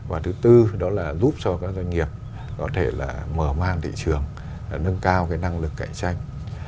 và thứ tư đó là giúp cho các doanh nghiệp có thể là mở mang thị trường nâng cao cái năng lực cạnh tranh